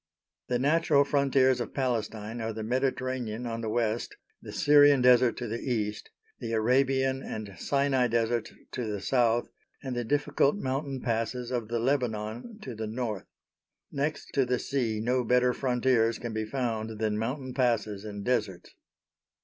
The natural frontiers of Palestine are the Mediterranean on the West, the Syrian Desert to the East, the Arabian and Sinai Deserts to the South, and the difficult mountain passes of the Lebanon to the North. Next to the sea no better frontiers can be found than mountain passes and deserts.